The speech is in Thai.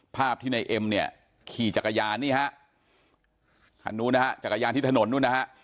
ภาพที่ในเอ็มเนี่ยขี่จักรยานนี่ฮะคันนู้นนะฮะจักรยานที่ถนนนู่นนะฮะ